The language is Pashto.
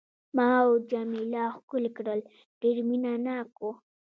ما او جميله ښکل کړل، ډېر مینه ناک وو.